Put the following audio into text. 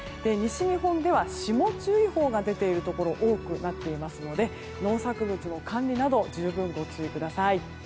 西日本では霜注意報が出ているところが多くなっていますので農作物の管理など十分ご注意ください。